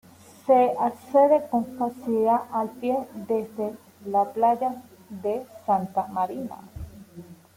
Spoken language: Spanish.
Se accede con facilidad a pie desde la playa de Santa Marina.